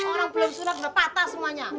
orang belum sunat udah patah semuanya